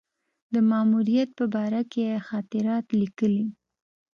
د ماموریت په باره کې یې خاطرات لیکلي.